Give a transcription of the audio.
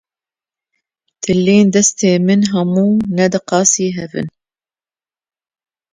Tilên destên min hemû ne di qasî hevin.